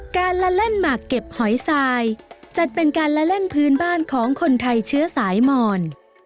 การละเล่นหมักเก็บหอยทรายจัดเป็นการละเล่นพื้นบ้านของคนไทยเชื้อสายหมอน